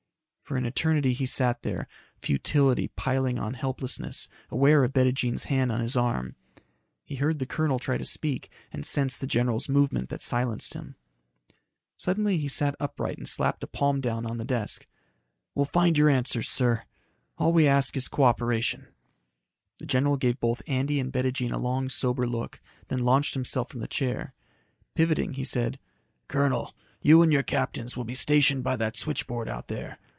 For an eternity he sat there, futility piling on helplessness, aware of Bettijean's hand on his arm. He heard the colonel try to speak and sensed the general's movement that silenced him. Suddenly he sat upright and slapped a palm down on the desk. "We'll find your answers, sir. All we ask is co operation." The general gave both Andy and Bettijean a long, sober look, then launched himself from the chair. Pivoting, he said, "Colonel, you and your captains will be stationed by that switchboard out there.